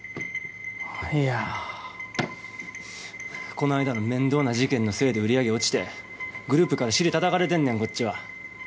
こないだの面倒な事件のせいで売り上げ落ちてグループから尻たたかれてんねんこっちは。